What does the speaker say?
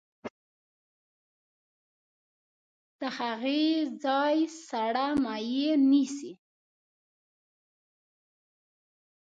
د هغې ځای سړه مایع نیسي.